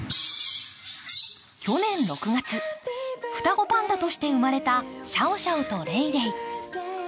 去年６月、双子パンダとして生まれたシャオシャオとレイレイ。